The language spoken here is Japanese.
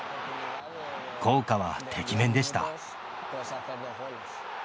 効果はてきめんでした。